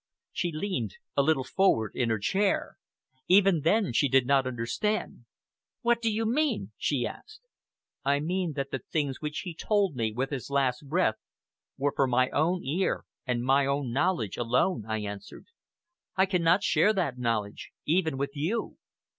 She leaned a little forward in her chair. Even then she did not understand. "What do you mean?" she asked. "I mean that the things which he told me with his last breath were for my own ear and my own knowledge alone," I answered. "I cannot share that knowledge even with you."